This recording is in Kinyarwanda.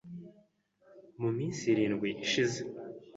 Mu minsi irindwi ishize